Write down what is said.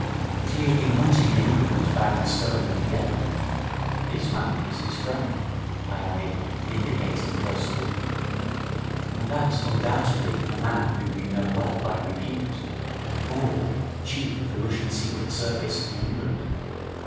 'But he has been hunting in England as Baron Stern, of Vienna. This man is his friend,' I added, indicating Percival. 'And that's undoubtedly a man whom you know well by repute Moore, Chief of the Russian Secret Service in England.